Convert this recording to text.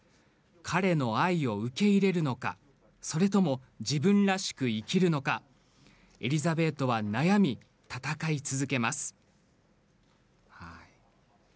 彼の愛を受け入れるのかそれとも自分らしく生きるのかエリザベートは悩み闘い続けます。